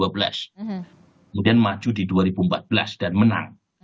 kemudian maju di dua ribu empat belas dan menang